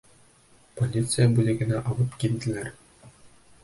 Полиция бүлегенә алып килделәр.